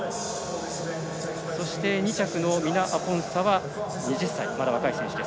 そして、２着のミナアポンサは２０歳とまだ若い選手です。